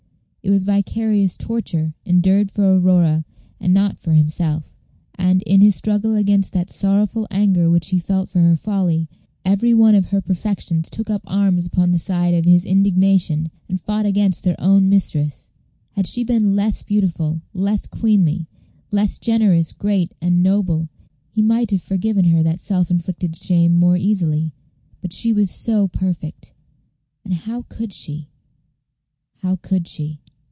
It was vicarious torture, endured for Aurora, and not for himself; and, in his struggle against that sorrowful anger which he felt for her folly, every one of her perfections took up arms upon the side of his indignation, and fought against their own mistress. Had she been less beautiful, less queenly, less generous, great, and noble, he might have forgiven her that self inflicted shame more easily. But she was so perfect; and how could she how could she?